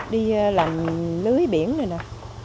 đi làm lưới biển nè nè